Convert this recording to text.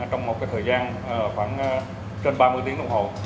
trong một thời gian khoảng trên ba mươi tiếng đồng hồ